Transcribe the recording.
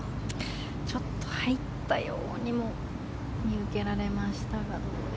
ちょっと入ったようにも見受けられましたが。